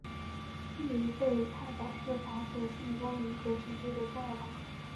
利贝泰堡是法属圣多明戈时期的重要港口。